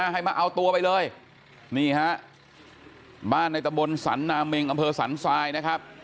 ให้มาเอาตัวไปเลยนี่ฮะบ้านในตะบนสรรนาเมงอำเภอสันทรายนะครับ